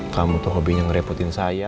kamu tuh hobinya ngerepotin saya